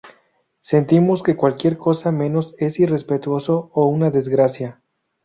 Sentimos que cualquier cosa menos es irrespetuoso o una desgracia".